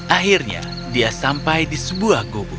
akhirnya dia sampai di sebuah gubu